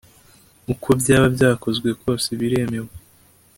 uko byaba byakozwe kose biremewe